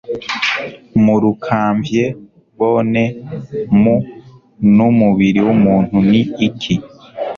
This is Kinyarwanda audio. Mu rukamvye Bone Mu n'umubiri w'umuntu ni iki